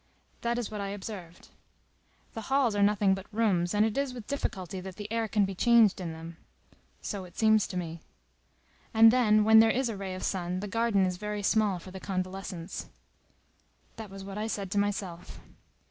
"That is what I observed." "The halls are nothing but rooms, and it is with difficulty that the air can be changed in them." "So it seems to me." "And then, when there is a ray of sun, the garden is very small for the convalescents." "That was what I said to myself."